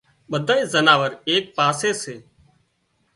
ٻڌائي زناور ايڪ پاسي سي